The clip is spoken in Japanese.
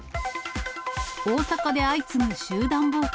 大阪で相次ぐ集団暴行。